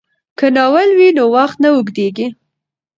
که ناول وي نو وخت نه اوږدیږي.